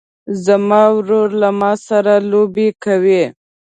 زما ورور له ما سره لوبې کوي.